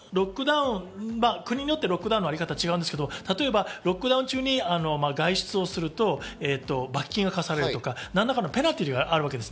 国によってロックダウンのありかたが違いますけど、例えばロックダウン中に外出をすると罰金が科されるとか、何らかのペナルティーがあるわけです。